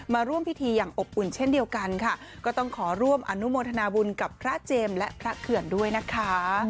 มาร่วมพิธีอย่างอบอุ่นเช่นเดียวกันค่ะก็ต้องขอร่วมอนุโมทนาบุญกับพระเจมส์และพระเขื่อนด้วยนะคะ